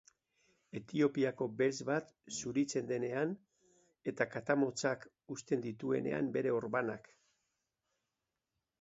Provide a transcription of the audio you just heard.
Etiopiako beltz bat zuritzen denean, eta katamotzak uzten dituenean bere orbanak.